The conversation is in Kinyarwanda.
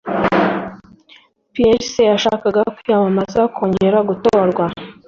Pierce yashakaga kwiyamamariza kongera gutorwa.